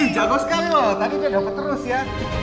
jago sekali loh tadi dia dapat terus ya